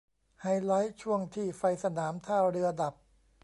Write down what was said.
ไฮไลท์ช่วงที่ไฟสนามท่าเรือดับ